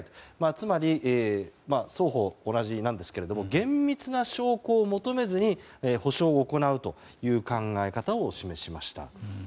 つまり、双方同じなんですが厳密な証拠を求めずに補償を行うという考え方を示しました。